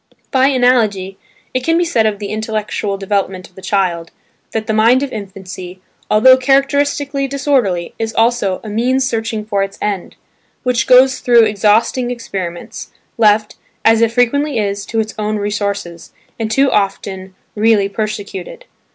By analogy, it can be said of the intellectual development of the child, that the mind of infancy, although characteristically disorderly, is also "a means searching for its end," which goes through exhausting experiments, left, as it frequently is, to its own resources, and too often really persecuted.